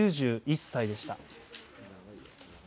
９１歳でした。